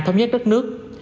thông nhất đất nước